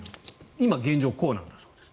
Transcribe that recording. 今、現状こうなんだそうです。